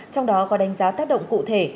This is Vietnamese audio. trong đó có đánh giá tác động cụ thể